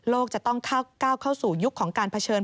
จะต้องก้าวเข้าสู่ยุคของการเผชิญ